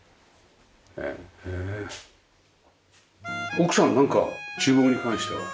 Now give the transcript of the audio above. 奥さんなんか厨房に関しては？